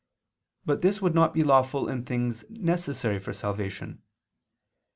But this would not be lawful in things necessary for salvation.